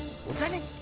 お金？